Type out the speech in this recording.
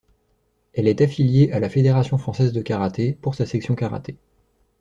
Elle est affiliée à la Fédération Française de Karaté pour sa section karaté.